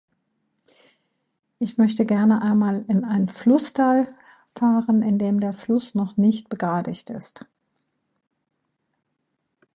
Ich möchte gerne einmal in ein Flusstal fahren indem der Fluss noch nicht begradigt ist.